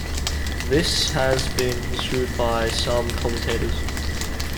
This has been construed by some commentators.